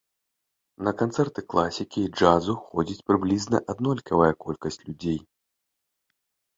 На канцэрты класікі і джазу ходзіць прыблізна аднолькавая колькасць людзей.